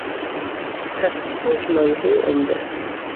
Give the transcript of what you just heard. تصویب یک لایحهی عمده